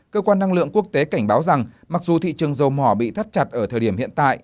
cơ quan năng lượng quốc tế cảnh báo rằng mặc dù thị trường dầu mỏ bị thắt chặt ở thời điểm hiện tại